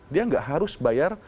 dia gak harus bayar